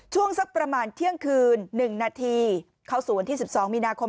ช่วงสักประมาณเที่ยงคืน๑นาทีเข้าสู่วันที่๑๒มีนาคม